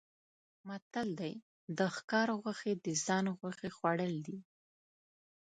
متل دی: د ښکار غوښې د ځان غوښې خوړل دي.